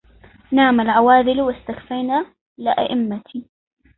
نام العواذل واستكفين لائمتي